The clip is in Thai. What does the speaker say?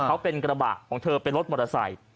เขาเป็นกระบะของเธอเป็นรถมอเตอร์ไซค์